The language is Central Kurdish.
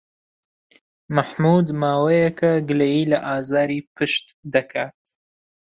مەحموود ماوەیەکە گلەیی لە ئازاری پشت دەکات.